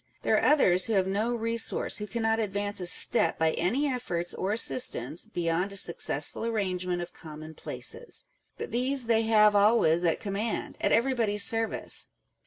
There are others who have no resource, who cannot advance a step by any efforts or assistance, beyond a successful arrange ment of commonplaces : but these they have always at command, at everybody's service.